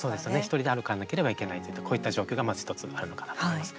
１人で歩かなければいけないといったこういった状況がまず１つあるのかなと思います。